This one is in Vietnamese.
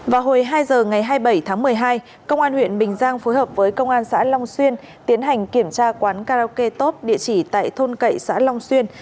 vào hồi hai giờ ngày hai mươi bảy tháng một mươi hai công an huyện bình giang phối hợp với công an xã long xuyên tiến hành kiểm tra quán karaoke top địa chỉ tại thôn cậy xã long xuyên